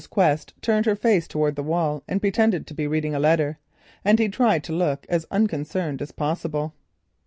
Quest turned her face towards the wall and pretended to be reading a letter, and he tried to look as unconcerned as possible.